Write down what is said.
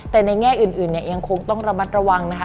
แต่ในแง่อื่นเนี่ยยังคงต้องระมัดระวังนะคะ